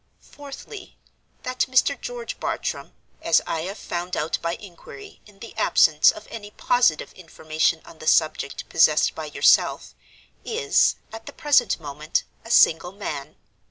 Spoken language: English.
Fourthly, that Mr. George Bartram (as I have found out by inquiry, in the absence of any positive information on the subject possessed by yourself) is, at the present moment, a single man.